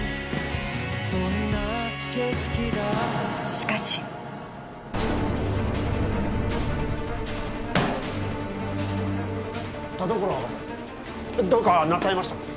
しかし田所博士どうかなさいましたか？